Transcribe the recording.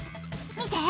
見て！